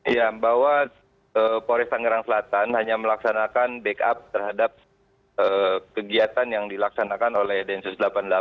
ya bahwa polres tangerang selatan hanya melaksanakan backup terhadap kegiatan yang dilaksanakan oleh densus delapan puluh delapan